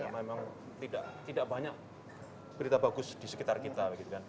memang tidak banyak berita bagus di sekitar kita